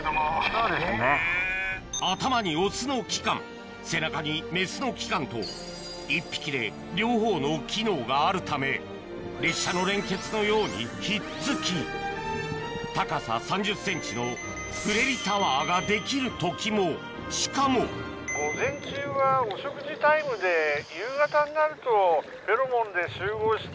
頭にオスの器官背中にメスの器官と１匹で両方の機能があるため列車の連結のように引っつき高さ３０ｃｍのフレリタワーができる時もしかも不思議な生き物ですね。